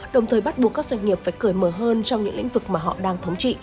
đồng thời bắt buộc các doanh nghiệp phải cởi mở hơn trong những lĩnh vực mà họ đang thống trị